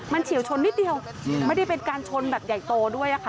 มันเฉียวชนนิดเดียวไม่ได้เป็นการชนแบบใหญ่โตด้วยค่ะ